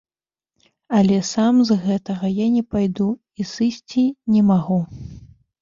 Але сам з гэтага я не пайду і сысці не магу.